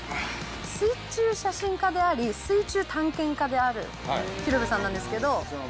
水中写真家であり、水中探検家である広部さんなんですけど。